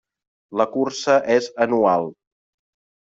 La cursa és anual.